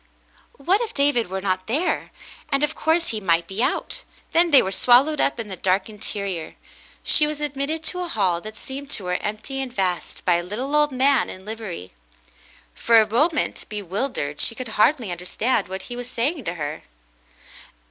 What if David were not there ! And of course, he might be out. Then they were swallowed up in the dark interior. She was admitted to a hall that seemed to her empty and vast, by a little old man in livery. For a moment, bewildered, she could hardly understand what he was saying to her.